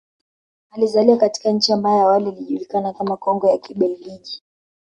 Alizaliwa katika nchi ambayo awali ilijukana kama Kongo ya Kibelgiji